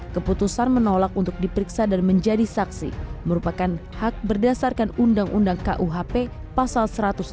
keputusan menolak untuk diperiksa dan menjadi saksi merupakan hak berdasarkan undang undang kuhp pasal satu ratus enam puluh